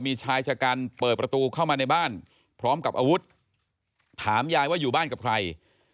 มีชายชะกันเปิดประตูเข้ามาในบ้านพร้อมกับอาวุธถามยายว่าอยู่บ้านกับใคร